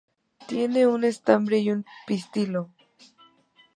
Tiene un estambre y un pistilo.